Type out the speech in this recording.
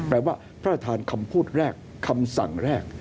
แปลว่าพระราชทานคำพูดแรกคำสั่งแรก